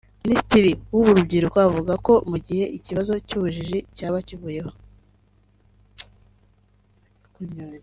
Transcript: Minisitiri w’urubyiruko avuga ko mu gihe ikibazo cy’ubujiji cyaba kivuyeho